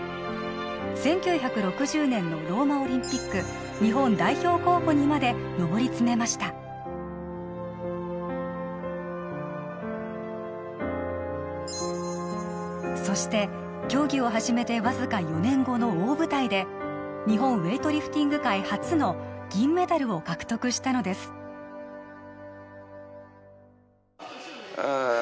１９６０年のローマオリンピック日本代表候補にまで上り詰めましたそして競技を始めてわずか４年後の大舞台で日本ウエイトリフティング界初の銀メダルを獲得したのですえ